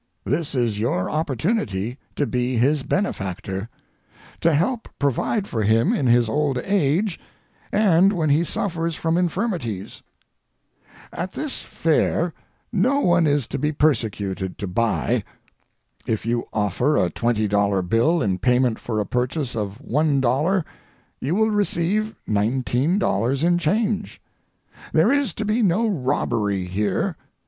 This is your opportunity to be his benefactor—to help provide for him in his old age and when he suffers from infirmities. At this fair no one is to be persecuted to buy. If you offer a twenty dollar bill in payment for a purchase of $1 you will receive $19 in change. There is to be no robbery here.